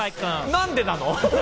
何でなの？